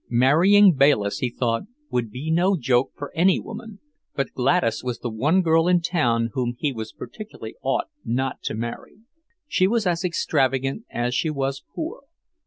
Marrying Bayliss, he thought, would be no joke for any woman, but Gladys was the one girl in town whom he particularly ought not to marry. She was as extravagant as she was poor.